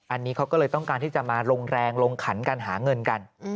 อันนี้เขาก็เลยต้องการที่จะมาลงแรงลงขันกันหาเงินกัน